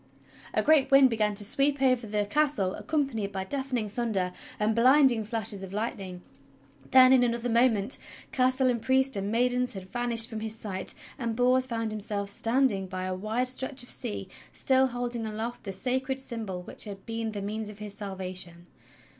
A great wind began to sweep over the castle accompanied by deafening thunder and blinding flashes of lightning; then, in another moment, castle and priest and maidens had vanished from his sight, and Bors found himself standing by a wide stretch of sea, still holding aloft the sacred symbol which had been the means of his salvation.